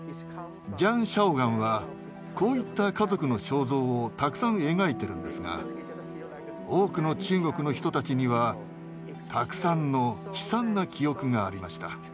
ジャン・シャオガンはこういった家族の肖像をたくさん描いてるんですが多くの中国の人たちにはたくさんの悲惨な記憶がありました。